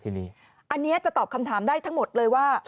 ทีนี้อันนี้จะตอบคำถามได้ทั้งหมดเลยว่า